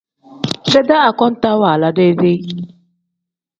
Dedee akontaa waala deyi-deyi.